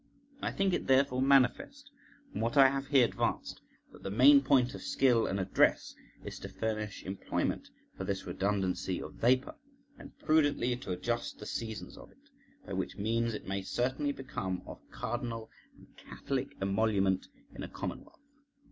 I think it therefore manifest, from what I have here advanced, that the main point of skill and address is to furnish employment for this redundancy of vapour, and prudently to adjust the seasons of it, by which means it may certainly become of cardinal and catholic emolument in a commonwealth.